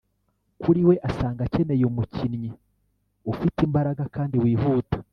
kuri we asanga akeneye umukinyi ufite imbaraga kandi wihuta